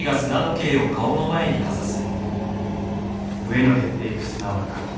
上の減っていく砂は過去。